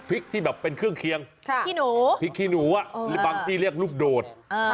พริกที่แบบเป็นเครื่องเคียงพริกขี้หนูบางที่เรียกลูกโดด